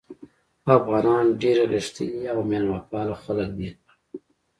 افغانان ډېر غښتلي او میلمه پاله خلک دي.